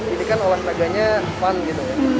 ini kan olahraganya fun gitu